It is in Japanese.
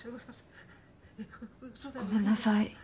ごめんなさい